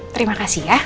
terima kasih ya